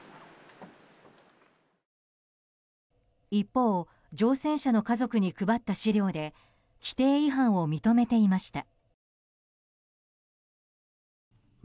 一方乗船者の家族に配った資料で規程違反を認めていました。